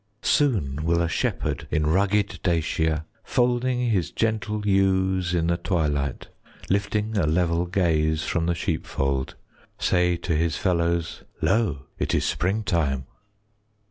Soon will a shepherd In rugged Dacia, Folding his gentle Ewes in the twilight, 20 Lifting a level Gaze from the sheepfold, Say to his fellows, "Lo, it is springtime."